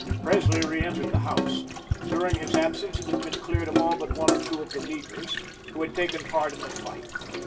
Presley reentered the house. During his absence it had been cleared of all but one or two of the Leaguers, who had taken part in the fight.